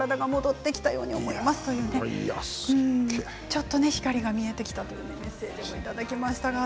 ちょっと光が見えてきたというメッセージをいただきました。